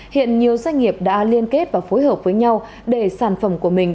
hiện nhiều doanh nghiệp đã liên kết và phối hợp với nhau để sản phẩm của mình